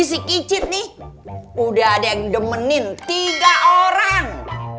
ini sih kicit nih udah ada yang demenin tiga orang